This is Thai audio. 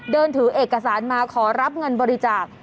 เดินถือเอกสารมาขอรับเงินบริจาค